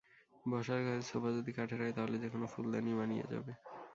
বসার ঘরের সোফা যদি কাঠের হয়, তাহলে যেকোনো ফুলদানিই মানিয়ে যাবে।